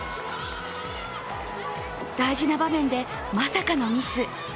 大事な場面でまさかのミス。